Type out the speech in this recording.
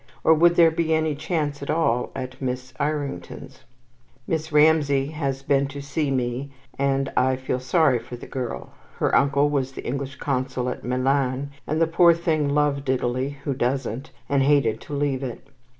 Or would there be any chance at all at Miss Irington's? Miss Ramsay has been to see me, and I feel sorry for the girl. Her uncle was the English Consul at Milan, and the poor thing loved Italy (who doesn't!), and hated to leave it.